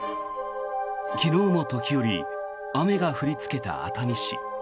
昨日も時折雨が降りつけた熱海市。